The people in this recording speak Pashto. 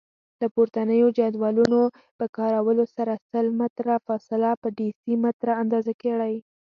له پورتنیو جدولونو په کارولو سره سل متره فاصله په ډیسي متره اندازه کړئ.